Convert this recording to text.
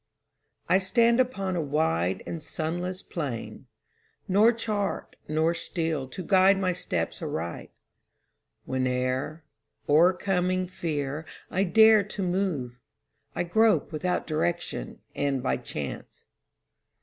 I stand upon a wide and sunless plain, Nor chart nor steel to guide my steps aright. Whene'er, o'ercoming fear, I dare to move, I grope without direction and by chance.